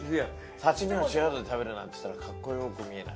刺し身を塩で食べるなんつったらかっこよく見えない？